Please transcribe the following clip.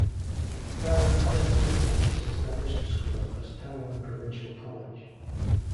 Taiwan's Japanese governors established the school as Taiwan Provincial College.